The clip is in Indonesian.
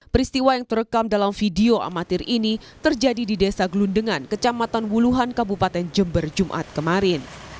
peristiwa yang terekam dalam video amatir ini terjadi di desa gelundungan kecamatan wuluhan kabupaten jember jumat kemarin